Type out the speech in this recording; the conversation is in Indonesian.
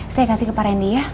saya kasih ke pak rendy ya